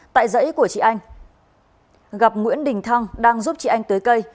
tại dãy của chị anh gặp nguyễn đình thăng đang giúp chị anh tưới cây